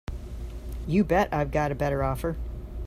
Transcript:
You bet I've got a better offer.